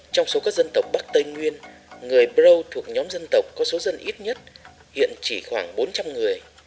trong số các dân tộc bắc tây nguyên người braw thuộc nhóm dân tộc có số dân ít nhất hiện chỉ khoảng bốn trăm linh người